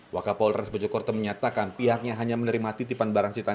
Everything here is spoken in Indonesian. wakil polres mojokerto menyatakan pihaknya hanya menerima titipan barang sitan